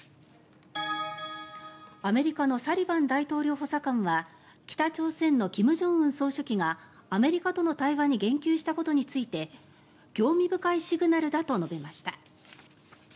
アメリカのサリバン大統領補佐官は北朝鮮の金正恩総書記がアメリカとの対話に言及したことについて興味深いシグナルだと述べました。